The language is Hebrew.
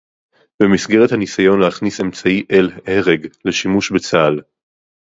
"במסגרת הניסיון להכניס אמצעי אל-הרג לשימוש בצה"ל"